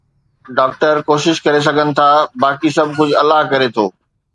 doctor ڪوشش ڪري سگھن ٿا، باقي سڀ ڪجھ الله ڪري ٿو